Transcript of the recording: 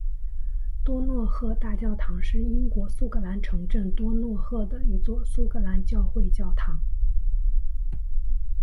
多诺赫大教堂是英国苏格兰城镇多诺赫的一座苏格兰教会教堂。